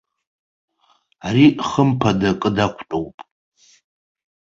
Ари хымԥада акы дақәтәоуп!